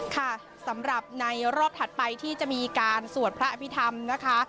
ค่ะสำหรับในรอบถัดไปที่จะมีการสวดพระอภิษฐรรมนะคะ